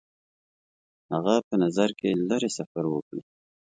هغه په نظر کې لري سفر وکړي.